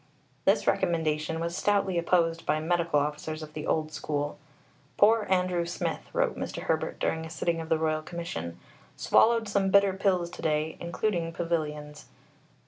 This recommendation was stoutly opposed by medical officers of the old school. "Poor Andrew Smith," wrote Mr. Herbert during a sitting of the Royal Commission, "swallowed some bitter pills to day, including Pavilions."